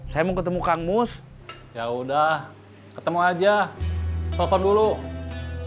sampai jumpa di video selanjutnya